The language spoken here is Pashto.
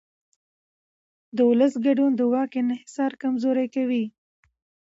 د ولس ګډون د واک انحصار کمزوری کوي